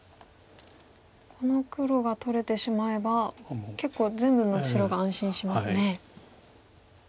この黒が取れてしまえば結構全部の白が安心しますね。